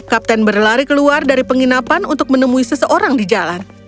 kapten keluar di penghidupan untuk menemukan seseorang di jalan